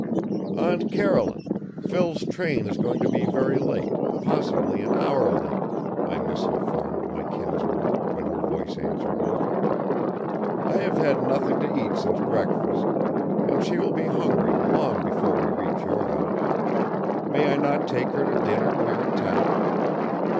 "Aunt Caroline, Phil's train is going to be very late, possibly an hour late," I misinformed my kinswoman, when her voice answered me. "I have had nothing to eat since breakfast, and she will be hungry long before we reach your house. May I not take her to dinner here in town?"